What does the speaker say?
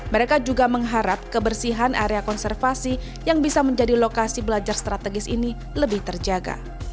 mereka juga mengharap kebersihan area konservasi yang bisa menjadi lokasi belajar strategis ini lebih terjaga